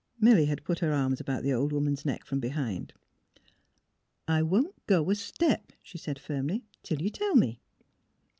" Milly had put her arms about the old woman's neck from behind. '' I won't go a step," she said, firmly, *' till you tell me.